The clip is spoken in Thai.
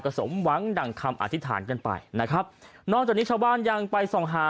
สมหวังดั่งคำอธิษฐานกันไปนะครับนอกจากนี้ชาวบ้านยังไปส่องหา